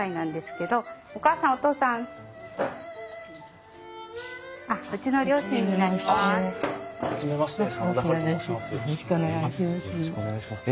よろしくお願いします。